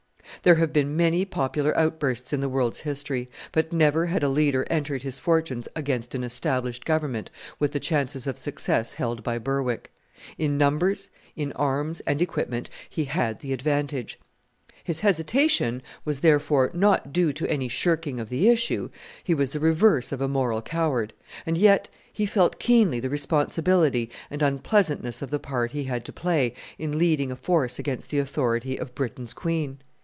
There have been many popular outbursts in the world's history; but never had a leader entered his fortunes against an established Government with the chances of success held by Berwick! In numbers, in arms and equipment, he had the advantage. His hesitation was, therefore, not due to any shirking of the issue. He was the reverse of a moral coward; and yet he felt keenly the responsibility and unpleasantness of the part he had to play in leading a force against the authority of Britain's Queen.